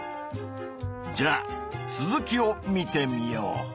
じゃあ続きを見てみよう。